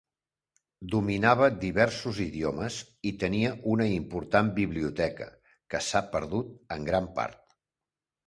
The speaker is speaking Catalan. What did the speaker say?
Dominava diversos idiomes i tenia una important biblioteca, que s'ha perdut en gran part.